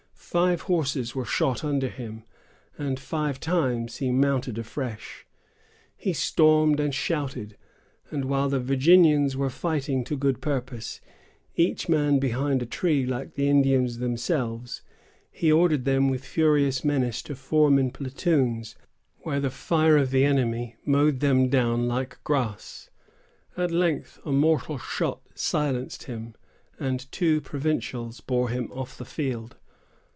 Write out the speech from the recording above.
Five horses were shot under him, and five times he mounted afresh. He stormed and shouted, and, while the Virginians were fighting to good purpose, each man behind a tree, like the Indians themselves, he ordered them with furious menace to form in platoons, where the fire of the enemy mowed them down like grass. At length, a mortal shot silenced him, and two provincials bore him off the field.